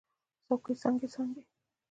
څوکې یې څانګې، څانګې